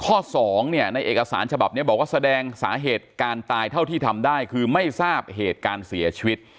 สองเนี่ยในเอกสารฉบับนี้บอกว่าแสดงสาเหตุการตายเท่าที่ทำได้คือไม่ทราบเหตุการณ์เสียชีวิต